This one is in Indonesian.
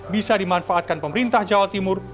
bisa dimanfaatkan pemerintah jawa timur